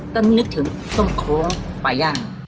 ก็ไม่นึกถึงต้มโค้งป่าย่าง